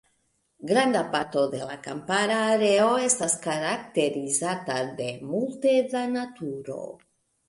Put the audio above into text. Granda parto de la kampara areo estas karakterizata de multe da naturo.